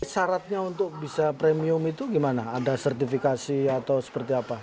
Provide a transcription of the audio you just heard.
syaratnya untuk bisa premium itu gimana ada sertifikasi atau seperti apa